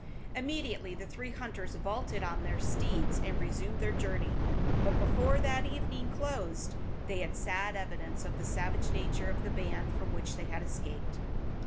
Immediately the three hunters vaulted on their steeds and resumed their journey; but before that evening closed they had sad evidence of the savage nature of the band from which they had escaped.